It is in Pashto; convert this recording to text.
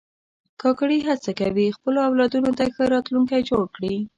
کاکړي هڅه کوي خپلو اولادونو ته ښه راتلونکی جوړ کړي.